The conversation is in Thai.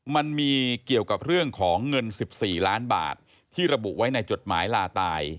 มันมีเกี่ยวกับเรื่องของเงิน๑๔ล้านบาทที่ระบุไว้ในจดหมายลาตาย